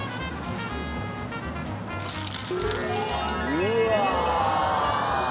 うわ！